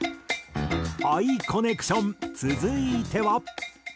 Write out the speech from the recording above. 「ＡＩコネクション」続いては。